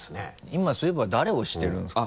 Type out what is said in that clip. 今そういえば誰推してるんですか？